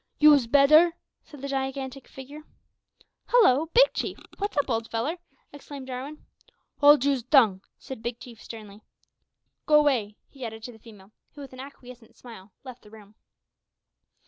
"You's bedder?" said the gigantic figure. "Hallo! Big Chief! Wot's up, old feller?" exclaimed Jarwin. "Hold you's tongue!" said Big Chief, sternly. "Go way," he added, to the female, who, with an acquiescent smile, left the room.